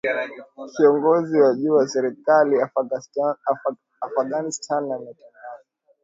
kiongozi wa juu wa serikali afghanistan ametangaza